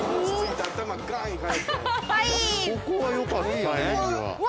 ここはよかったような。